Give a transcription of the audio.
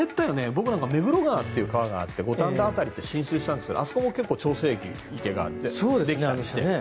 僕なんか目黒川って川があって五反田辺りって浸水したんですけどあの辺りって調整池があって